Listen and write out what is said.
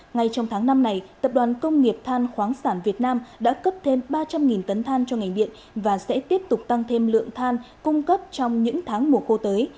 ngay trong tháng năm này tập đoàn công nghiệp than khoáng sản việt nam đã cấp thêm ba trăm linh tấn than cho ngành điện và sẽ tiếp tục tăng thêm lượng than cung cấp trong những tháng mùa khô tới